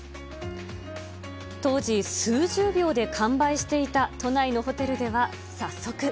当時、数十秒で完売していた都内のホテルでは、早速。